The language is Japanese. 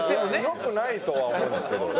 良くないとは思うんですけど。